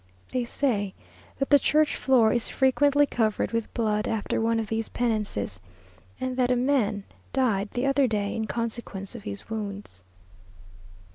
They say that the church floor is frequently covered with blood after one of these penances, and that a man died the other day in consequence of his wounds.